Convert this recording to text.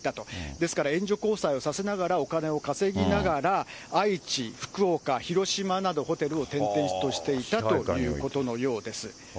ですから援助交際をさせながら、お金を稼ぎながら、愛知、福岡、広島など、ホテルを転々としていたということのようです。